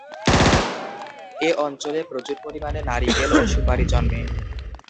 এ অঞ্চলে প্রচুর পরিমাণে নারিকেল ও সুপারি জন্মে।